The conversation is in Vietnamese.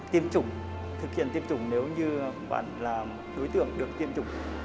tiêm chủng thực hiện tiêm chủng nếu như vẫn là đối tượng được tiêm chủng